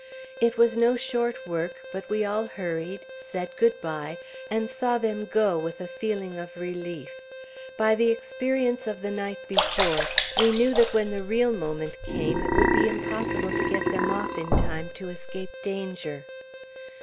It was no short work, but we all hurried, said good bye, and saw them go with a feeling of relief. By the experience of the night before, we knew that when the real moment came it would be impossible to get them off in time to escape danger.